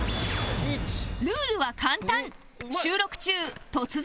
ルールは簡単